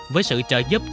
với sự trợ giúp